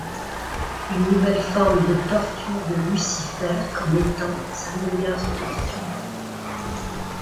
Une nouvelle forme de torture de Lucifer comme étant sa meilleure torture.